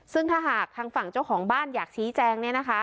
ซึ่งถ้าหากทางฝั่งเจ้าของบ้านอยากชี้แจงเนี่ยนะคะ